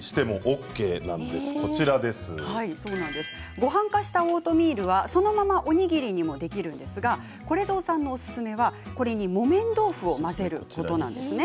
ごはん化したオートミールはそのままおにぎりにもできるんですがこれぞうさんのおすすめはこれに木綿豆腐を混ぜることなんですね。